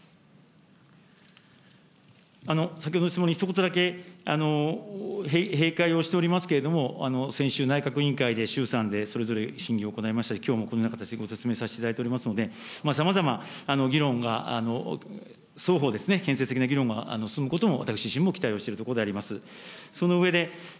先ほどの質問に、ひと言だけ、閉会をしておりますけれども、先週、内閣委員会で、衆参でそれぞれ、審議を行いましたし、きょうも私、ご説明させていただいておりますので、さまざま、議論が双方ですね、建設的な議論が進むことも、私自身も期待をしているところであります。